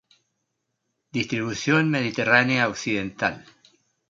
Distribución mediterránea occidental.